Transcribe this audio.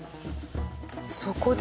そこで。